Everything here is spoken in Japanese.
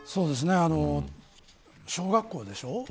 小学校でしょう